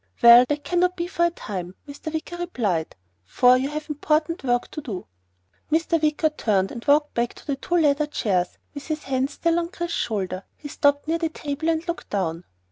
"Well, that cannot be for a time," Mr. Wicker replied, "for you have important work to do." Mr. Wicker turned and walked back to the two leather chairs with his hand still on Chris's shoulder. He stopped near the table and looked down.